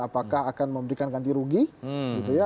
apakah akan memberikan ganti rugi gitu ya